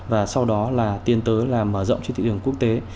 và sau đó là tiến tới là mở rộng trên thị trường quốc tế